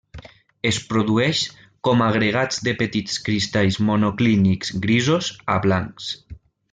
Es produeix com agregats de petits cristalls monoclínics grisos a blancs.